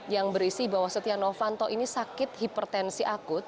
yang berisi bahwa setia novanto ini sakit hipertensi akut